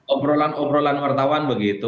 obrolan obrolan wartawan begitu